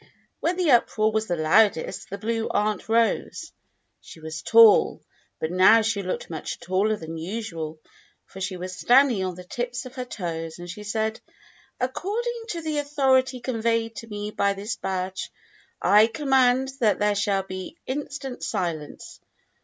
When the uproar was the loudest the Blue Aunt rose. She was tall, but now she looked much taller than usual, for she was standing on the tips of hei toes, and she said: "According to the authority conveyed to me by this badge I command that there shall be instant silence.